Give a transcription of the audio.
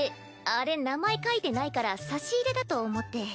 あれ名前書いてないから差し入れだと思って。